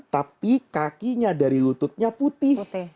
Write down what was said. tapi kakinya dari lututnya putih